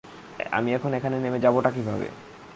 আমি এখন এখানে নেমে যাবোটা কীভাবে?